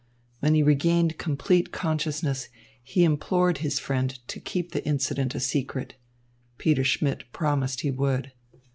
When he regained complete consciousness, he implored his friend to keep the incident a secret. Peter Schmidt promised he would.